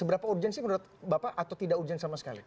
seberapa urgensi menurut bapak atau tidak urgensi sama sekali